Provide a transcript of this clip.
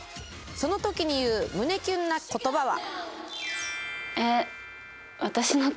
その時に言う胸キュンな言葉は？